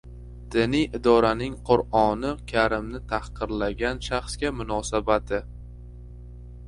Diniy idoraning Qur’oni karimni tahqirlagan shaxsga munosabati